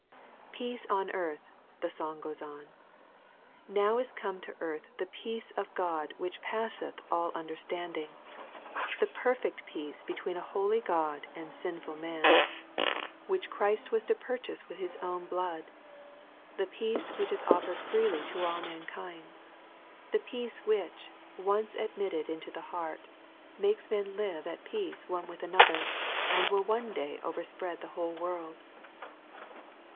" Peace on earth !" the song goes on. Now is come to earth the peace of God vhich passeth all understanding, ' •the perfect peace between a holy God and sinful man, LUKE, CHAP. II. 59 which Christ was to purchase with His own hlood, — ^the peace which is offered freely to all mankind,^— the peace which, once admitted into the heart, makes men live at peace one with another, and will one day overspread the whole world.